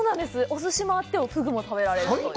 おすしもあって、フグも食べられると。